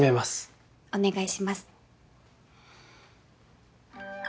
お願いします。